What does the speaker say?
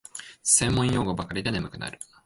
専門用語ばかりで眠くなる